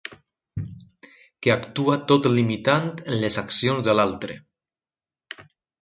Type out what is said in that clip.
Que actua tot limitant les accions de l'altre.